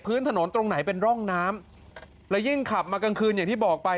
ถนนตรงไหนเป็นร่องน้ำและยิ่งขับมากลางคืนอย่างที่บอกไป